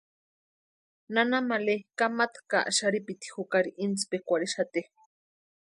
Nana male kamata ka xarhipiti jukari intsipikwarhexati.